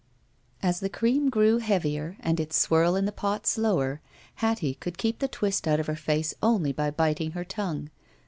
As the cream grew heavier and its swirl in the pot slower, Hattie could keep the twist out of her flace only by biting her tongue.